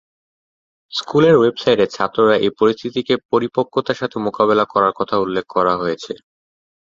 স্কুলের ওয়েবসাইটে ছাত্ররা এই পরিস্থিতিকে পরিপক্বতার সাথে মোকাবিলা করার জন্য উল্লেখ করা হয়েছে।